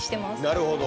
なるほど。